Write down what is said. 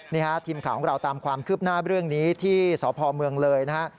ทีมข่าวของเราตามความคืบหน้าเรื่องนี้ที่สพเมืองเลยนะฮะ